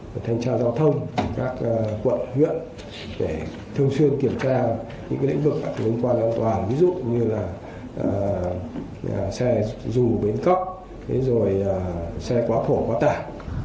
và thanh tra giao thông các quận huyện để thường xuyên kiểm tra những lĩnh vực liên quan an toàn ví dụ như là xe dù bến cấp xe quá thổ quá tải